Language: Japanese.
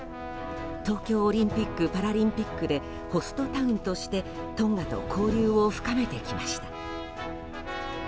東京オリンピック・パラリンピックでホストタウンとしてトンガと交流を深めてきました。